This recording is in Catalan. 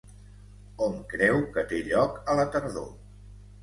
Hom creu que té lloc a la tardor.